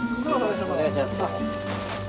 お願いします。